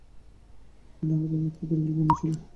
আর আমাদের একটা পরিকল্পনা ছিল।